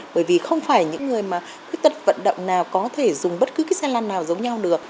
bởi vì không phải những người mà khuyết tật vận động nào có thể dùng bất cứ cái xe lăn nào giống nhau được